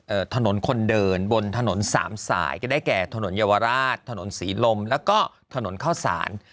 ถนนคนเดินบนถนนสามสายก็ได้แก่ถนนเยาวราชถนนศรีลมแล้วก็ถนนเข้าสาร